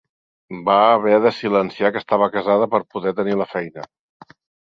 Va haver de silenciar que estava casada per poder tenir la feina.